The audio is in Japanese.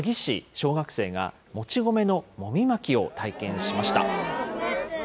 小学生がもち米のもみまきを体験しました。